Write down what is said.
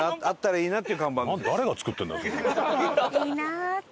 いいなあって。